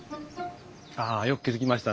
ああよく気付きましたね。